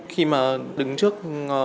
khi mà đứng trước